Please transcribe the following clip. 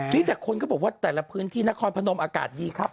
มีแต่คนก็บอกว่าแต่ละพื้นที่นครพนมอากาศดีครับ